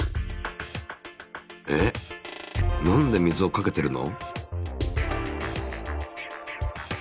え何で水をかけてるの？